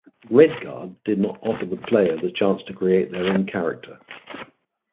"Redguard" did not offer the player the chance to create their own character.